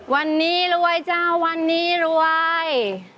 วันนี้รวยเจ้าวันนี้รวย